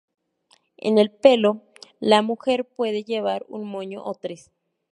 En el pelo, la mujer puede llevar un moño o tres.